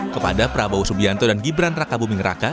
kepada prabowo subianto dan gibran raka buming raka